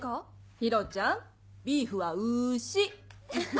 ヒロちゃんビーフは牛！